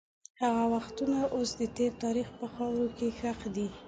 هغه وختونه اوس د تېر تاریخ په خاوره کې ښخ دي.